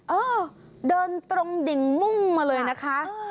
เออเดินตรงดิ่งมุ่งมาเลยนะคะ